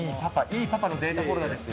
いいパパのデータフォルダですよ。